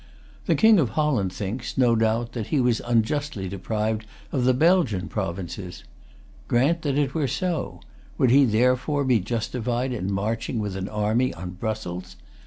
The King of Holland thinks, no doubt, that he was unjustly deprived of the Belgian provinces. Grant that it were so. Would he, therefore, be justified in marching with an army on Brussels?